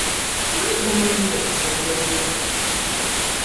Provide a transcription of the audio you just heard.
Ani gw'omanyiira kisajja ggwe ddala?